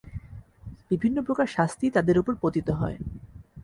বিভিন্ন প্রকার শাস্তি তাদের উপর পতিত হয়।